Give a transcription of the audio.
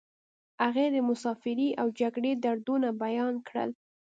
هغې د مسافرۍ او جګړې دردونه بیان کړل